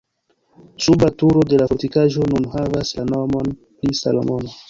Suba turo de la fortikaĵo nun havas la nomon pri Salomono.